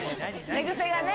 寝癖がね。